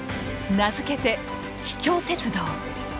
名付けて「秘境鉄道」。